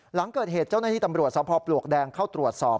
หลังเกิดเหตุเจ้าหน้าที่ตำรวจสภปลวกแดงเข้าตรวจสอบ